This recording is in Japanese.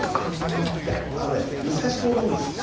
いやあのね難しくはないんです。